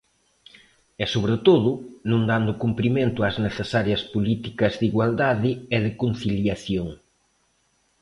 E, sobre todo, non dando cumprimento ás necesarias políticas de igualdade e de conciliación.